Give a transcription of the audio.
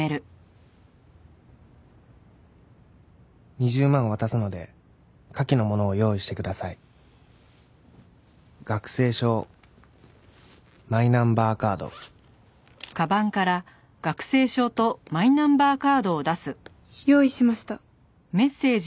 「２０万渡すので下記のものを用意してください」「学生証」「マイナンバーカード」「用意しました」